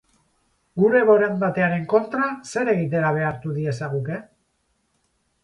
Gure borondatearen kontra zer egitera behartu diezaguke?